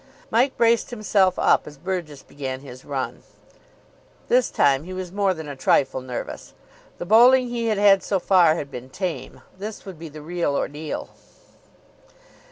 Mike braced himself up as Burgess began his run. This time he was more than a trifle nervous. The bowling he had had so far had been tame. This would be the real ordeal.